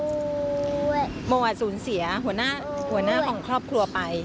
โมสูญเสียหัวหน้าของครอบครัวไป